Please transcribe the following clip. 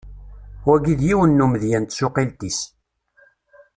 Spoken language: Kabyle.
Wagi d yiwen n umedya n tsuqqilt-is.